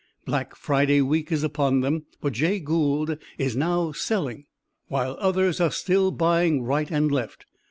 Black Friday week is upon them, but Jay Gould is now selling while others are still buying right and left.